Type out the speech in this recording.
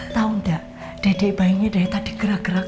tau gak dedek bayinya dari tadi gerak gerak